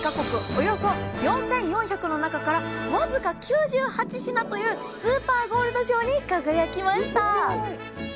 およそ４，４００の中から僅か９８品というスーパーゴールド賞に輝きましたすごい！